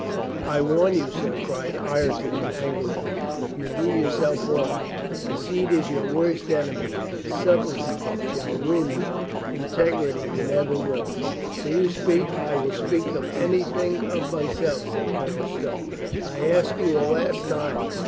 "I warn you, sir," cried Ireton angrily, "you do yourself wrong. Deceit is your worst enemy. Sub tlety shall ruin you. Integrity never will. Will you speak?" "I will speak anything of myself," said Colonel Stow. "I ask you a last time.